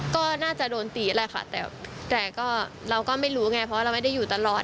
ก็น่าจะโดนตีแหละค่ะแต่ก็เราก็ไม่รู้ไงเพราะว่าเราไม่ได้อยู่ตลอด